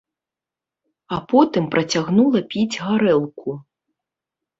А потым працягнула піць гарэлку.